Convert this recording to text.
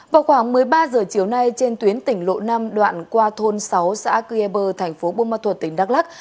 vào khoảng một mươi ba h chiều nay trên tuyến tỉnh lộ năm đoạn qua thôn sáu xã cư er thành phố bô ma thuật tỉnh đắk lắc